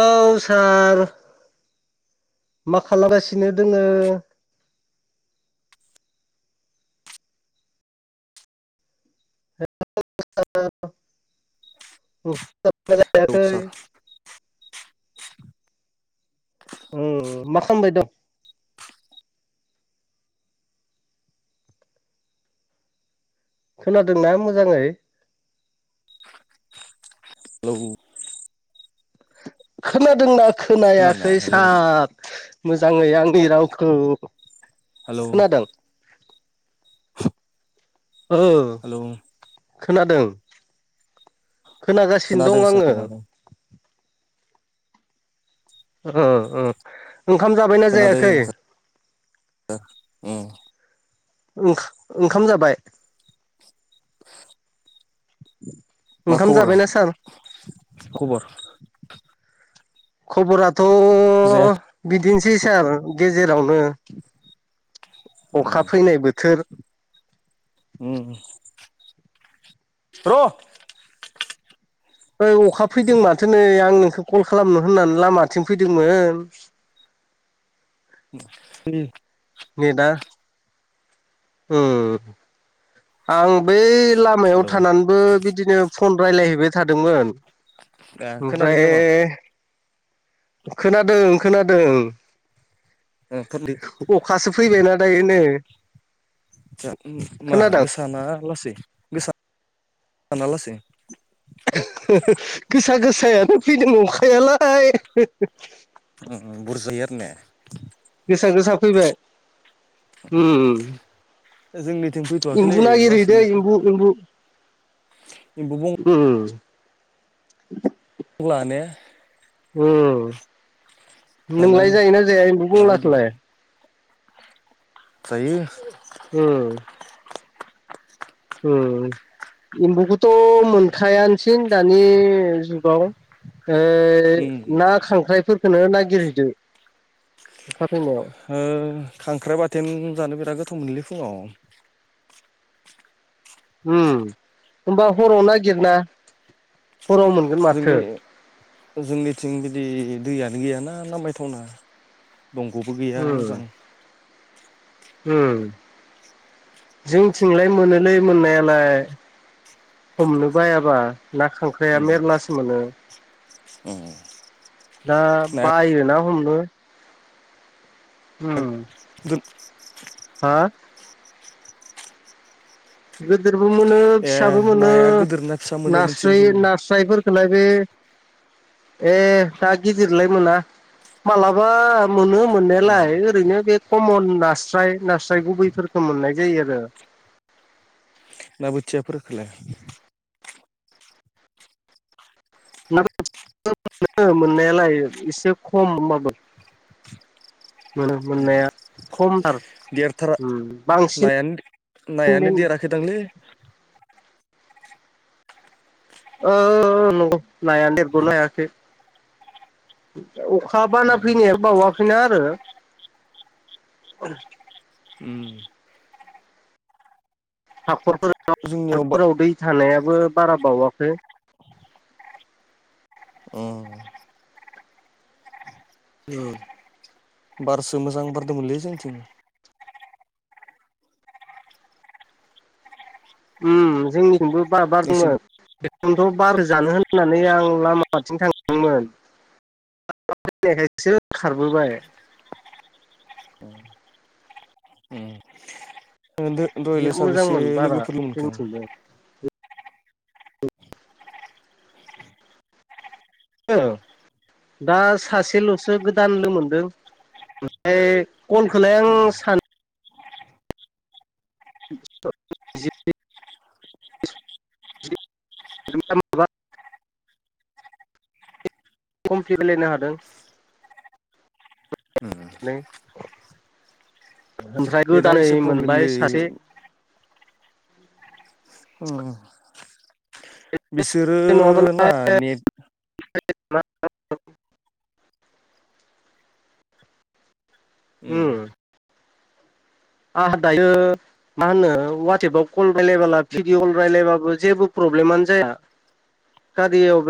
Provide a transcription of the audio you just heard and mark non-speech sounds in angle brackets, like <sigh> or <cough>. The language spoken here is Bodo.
औ सार मा खालामगासिनो दोङो? <unintelligible> औ सार जायाखै ओम मा खालामबाय दं? खोनादोंना मोजाङै <unintelligible> औ खोनादोंना खोनादोंना खोनायाखै हेलौ सार मोजाङै आंनि रावखौ हेलौ खोनादों औ हेलौ खोनादों खोनागासिनो खोनादों दं सार आङो खोनादों ओ ओ ओंखाम जाबाय खोनादों ओंखाम जाबाय आरो <inaudible> मा खबरा जाबायना सार खबर खबराथ' जायाखै बिदिनोसै सार गेजेरावनो उम अखा फैनाय बोथोर र' ओइ अखा फैदों माथो नै आं नोंखौ कल खालामनो होननानै लामाथिं फैदोंमोन द नै दा आं बै लामायाव हेलौ थानानैबो बिदिनो फन रायलायहैबाय थादोंमोन ए खोनादों ओमफ्राय नामा खोनादों खोनादों अखासो फैबायनाा दायोनो आ मा गोसाना लासै गोसााना लासै गोसा गोसायानो फैदों नंखायालाय बुरजयार ने गोसा गोसा फैबाय जोंनि थेंमफु एम्बु ना एरैदो एम्बु एम्बु जोंबो अ्लानो जानो नोंलाय जायोना जायाबो बुंलाखौलाय सायो हम उम एम्बुखौथ' मोनखायानोसिन दानि जुगाव उम ना खांख्राइफोरखौो नागिरहैदो अखा फैनायाव खांख्राइ बाथोन जानो बिराद गोथाव मोनलै फुङाव होनबा हराव नागिरना हराव मोन जोंनि जोंनिथिं बिदि दैयानो गैयाना नां मायथावना दंग'बो गैया मोजां हम जों थिंलाय मोनोलै मोननायालाय हमनो बायाबा ना खांख्राइाया मेरलासो मोनो ए दा बायोोना हमनो उम द हा गिदिरबो मोनो ए फिसाबो मोनो नाया गोदोर ना फिसा मोनो नास्राय नोंसोरनिथिंलाय नास्राय सोलाय बे ए दा गिदिरलाय मोना मालाबा मोनो उम मोननायालाय ओरैनो बे कमन नास्राय नास्राय गुबैफोरखौ मोननाय जायो आरो ना बोथियाफोरखोलाय नो मोननायालाय एसे खम होनबाबो। मोनो मोननाया खमथार देरथारा बांसिन नायानो बे नायानो देराखैदांलै औ नंगौ नाया देरखनो हायाखै अखा बाना फैनायानो बावाखैना आरो उम हाख'रफोराव जोंनियाव बा हारफोराव दै थानायाबो बारा बावाखै उम उम बारसो मोजां बारदोंमोनलै जोंथिं उम जोंनिथिबो बार बार नोंसि दोंमोन बेखनोथ' बार जानो होननानै आं लामाथिं थांदोंमोन। <unintelligible> खायसो खारबोबाय उम दो दहायलाय बिराद साबैसे मोजांमोन बारा लोगोफोर लोगो मोनखो जोंनिथिंबो औ दा सासेल'सो गोदान लोगो मोनदों। ओमफ्राय कलखौलाय आं सान <unintelligible> <unintelligible> खमफि रालायनो हादों <unintelligible> ओमफ्राय नेटआ गोदानै एसे मोनबाय प्रब्लेमलै सासे उम उम बिसोरो ना नङाबालाय नेट उम आ दायो मा होनो वाटसेएपाव कल रायजलायबोला भिडिअल रायजलायबाबो जेबो प्रब्लेमानो जाया। खारियाआव